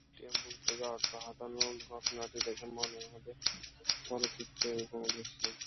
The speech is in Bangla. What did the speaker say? এটিএম বুথ থেকে অর্থ হাতানোর ঘটনাটি দেখে মনে হবে চলচ্চিত্রেরই কোনো দৃশ্য।